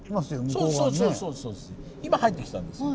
そうそう今入ってきたんです。